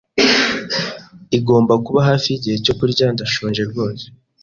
Igomba kuba hafi yigihe cyo kurya. Ndashonje rwose.